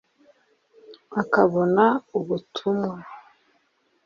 akabona ubutumwa